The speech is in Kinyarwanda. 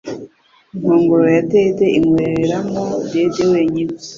Inkongoro yadede inywera mo dede wenyine